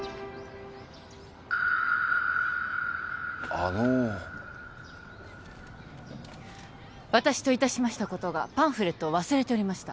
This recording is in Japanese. あの私といたしましたことがパンフレットを忘れておりました